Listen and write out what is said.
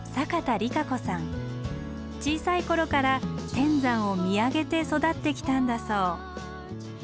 小さい頃から天山を見上げて育ってきたんだそう。